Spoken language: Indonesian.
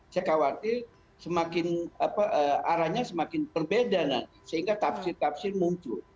saya khawatir semakin arahnya semakin berbeda sehingga tafsir tafsir muncul